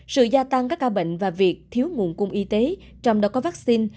sự gia tăng các ca bệnh và việc thiếu nguồn cung y tế trong đó có vaccine